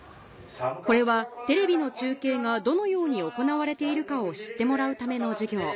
これはテレビの中継がどのように行われているかを知ってもらうための授業